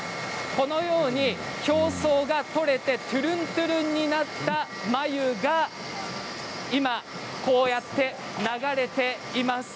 このように表層が取れてとぅるんとぅるんとなった繭が今こうやって流れています。